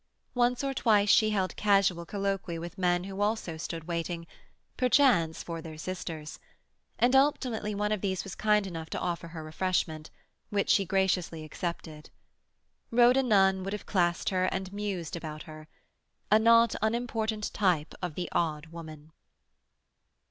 Once or twice she held casual colloquy with men who also stood waiting—perchance for their sisters; and ultimately one of these was kind enough to offer her refreshment, which she graciously accepted. Rhoda Nunn would have classed her and mused about her: a not unimportant type of the odd woman.